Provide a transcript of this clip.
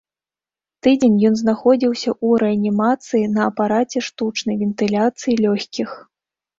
Тыдзень ён знаходзіўся ў рэанімацыі на апараце штучнай вентыляцыі лёгкіх.